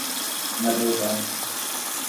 Nebyl tam.